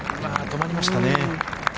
止まりましたね。